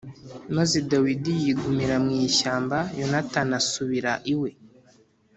maze Dawidi yigumira mu ishyamba Yonatani asubira iwe.